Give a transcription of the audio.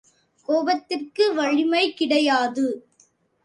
கோபத்திற்கு வலிமை கிடையாது.